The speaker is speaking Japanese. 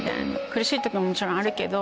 苦しい時ももちろんあるけど。